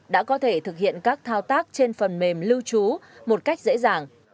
đã có thể thực hiện các thao tác trên phần mềm lưu trú một cách dễ dàng